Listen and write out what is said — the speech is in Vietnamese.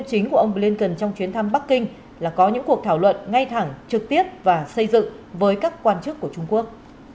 chính của ông blinken trong chuyến thăm bắc kinh là có những cuộc thảo luận ngay thẳng trực tiếp và xây dựng với các quan chức của trung quốc